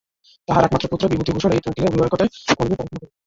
তাঁহার একমাত্র পুত্র বিভূতিভূষণ এই উকিলের অভিভাবকতায় কলেজে পড়াশুনা করিত।